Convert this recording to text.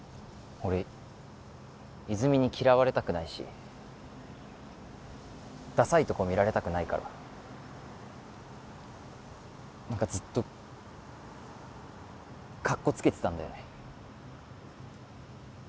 俺泉に嫌われたくないしダサいとこ見られたくないから何かずっとカッコつけてたんだよね